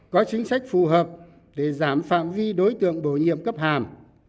có chính sách phù hợp để giảm phạm vi đối tượng bổ nhiệm cấp hàm